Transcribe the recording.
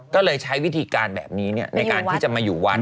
ก็เลยใช้วิธีการแบบนี้ในการที่จะมาอยู่วัด